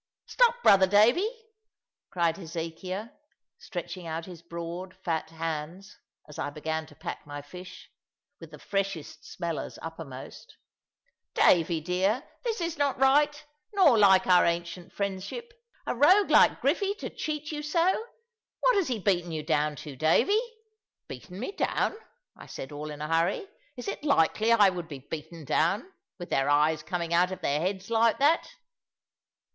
"Stop, brother Davy," cried Hezekiah, stretching out his broad fat hands, as I began to pack my fish, with the freshest smellers uppermost; "Davy dear, this is not right, nor like our ancient friendship. A rogue like Griffy to cheat you so! What had he beaten you down to, Davy?" "Beaten me down!" I said, all in a hurry; "is it likely I would be beaten down, with their eyes coming out of their heads like that?"